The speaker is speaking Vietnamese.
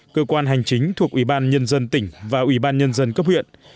cơ quan hành chính thuộc ủy ban nhân dân tỉnh và ủy ban nhân dân cấp huyện